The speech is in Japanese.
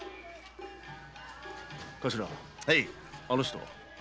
頭あの人は？